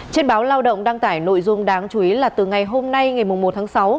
trên báo lao động đăng tải nội dung đáng chú ý là từ ngày hôm nay ngày một tháng sáu